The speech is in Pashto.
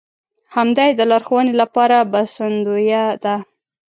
همدا يې د لارښوونې لپاره بسندويه ده.